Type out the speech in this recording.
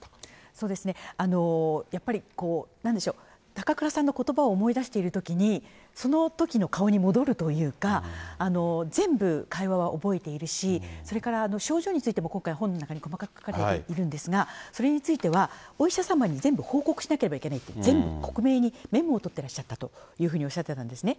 そうですね、やっぱりこう、なんでしょう、高倉さんのことばを思い出しているときに、そのときの顔に戻るというか、全部、会話は覚えているし、それから症状についても、今回、本の中に細かく書かれているんですが、それについては、お医者様に全部報告しなければいけないと、全部克明に、メモを取ってらっしゃったというふうにおっしゃってたんですね。